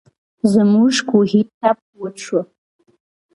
زموږ کوهۍ ټپ وچ شو.